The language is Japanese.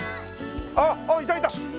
あっいたいた！